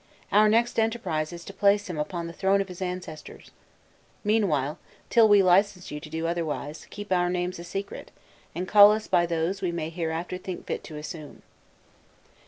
Our next enterprise is to place him upon the throne of his ancestors. Meanwhile, till we license you to do otherwise, keep our names a secret, and call us by those we may hereafter think fit to assume."